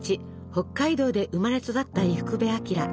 北海道で生まれ育った伊福部昭。